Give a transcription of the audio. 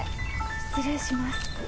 失礼します。